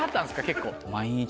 結構。